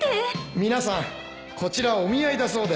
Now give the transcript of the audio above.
皆さんこちらお見合いだそうです